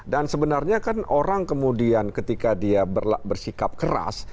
dan sebenarnya kan orang kemudian ketika dia bersikap keras